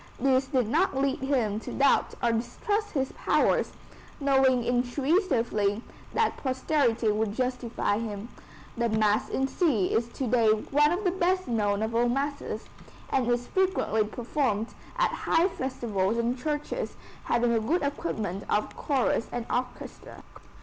This did not lead him to doubt or distrust his powers, knowing intuitively that posterity would justify him. The Mass in C is to day one of the best known of all masses, and is frequently performed at high festivals in churches having a good equipment of chorus and orchestra.